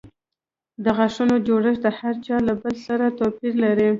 د غاښونو جوړښت د هر چا له بل سره توپیر لري.